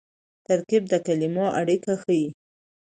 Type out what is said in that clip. ترکیب د کلیمو اړیکه ښيي.